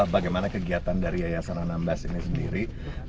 bagaimana kegiatan dari yayasan anambas ini sendiri